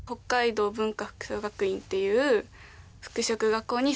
っていう。